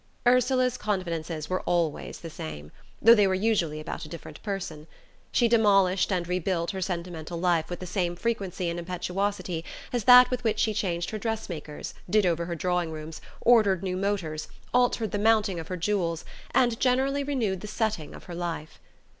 Ursula's confidences were always the same, though they were usually about a different person. She demolished and rebuilt her sentimental life with the same frequency and impetuosity as that with which she changed her dress makers, did over her drawing rooms, ordered new motors, altered the mounting of her jewels, and generally renewed the setting of her life.